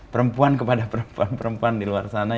perempuan kepada perempuan perempuan di luar sana